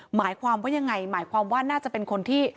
หมายความว่ายังไงหมายความว่าน่าจะเป็นคนที่